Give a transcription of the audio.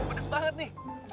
pedas banget nih